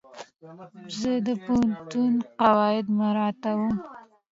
زه د پوهنتون قواعد مراعتوم.